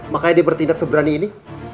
makanya dia bertindak seberani ini